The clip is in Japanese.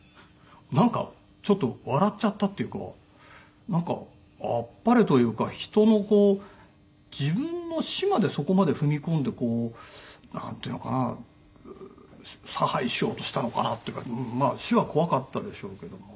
なんかちょっと笑っちゃったっていうかなんかあっぱれというか人のこう自分の死までそこまで踏み込んでこうなんていうのかな差配しようとしたのかなっていうかまあ死は怖かったでしょうけども。